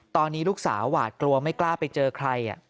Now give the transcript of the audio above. ตอนนี้ลูกสาวหวาดกลัวไม่กล้าไปเจอใคร